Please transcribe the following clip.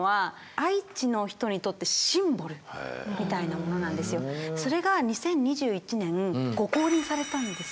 もうあのそれが２０２１年ご降臨されたんです。